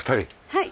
はい。